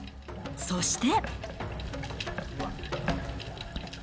そして。